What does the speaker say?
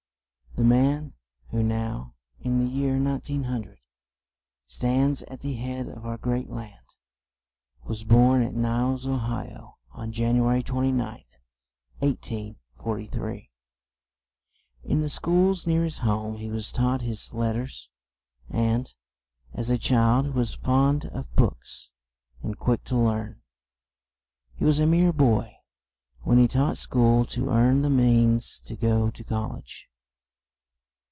The man, who now, in the year 1900, stands at the head of our great land, was born at Niles, O hi o, on Jan u a ry 29th, 1843. In the schools near his home he was taught his let ters and, as a child, was fond of books, and quick to learn. He was a mere boy, when he taught school to earn the means to go to Col lege.